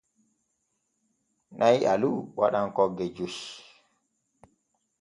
Na'i alu waɗan kogge joy.